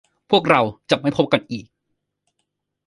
พวกเราจะไม่พบกันอีก